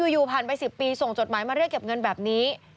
อยู่ผ่านไป๑๐ปีส่งจดหมายมาเรียกเก็บเงินแบบนี้